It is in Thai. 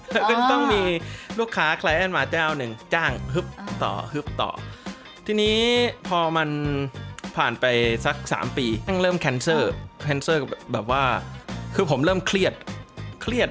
แล้วก็ต้องมีลูกค้าใครแอ้นมาเจ้าหนึ่งจ้างฮึบต่อฮึบต่อทีนี้พอมันผ่านไปสักสามปีต้องเริ่มแคนเซอร์แคนเซอร์แบบว่าคือผมเริ่มเครียดเครียด